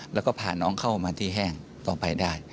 แล้วก็พาน้องเข้ามาที่แห้งต่อไปได้